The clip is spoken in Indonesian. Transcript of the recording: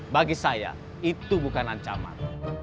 bagi saya itu bukan ancaman